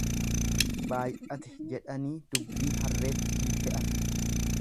Baay'ate jedhanii dubbii harreetti hin fe'an.